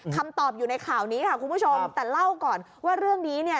คำตอบอยู่ในข่าวนี้ค่ะคุณผู้ชมแต่เล่าก่อนว่าเรื่องนี้เนี่ย